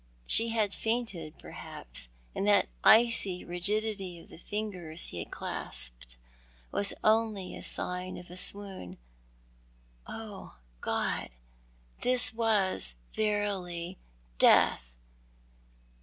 She had fainted, perhaps, and that icy rigidity of the lingers he had clasped was only the sign of a swoon. Oh, God ! this was verily death